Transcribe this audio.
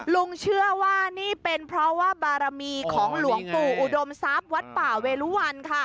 ลุงเชื่อว่านี่เป็นเพราะว่าบารมีของหลวงปู่อุดมทรัพย์วัดป่าเวรุวันค่ะ